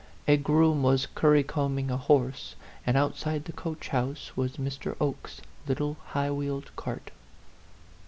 A groom was currycombing a horse, and outside the coach house was Mr. Oke's little high wheeled cart.